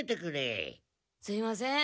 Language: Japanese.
すみません。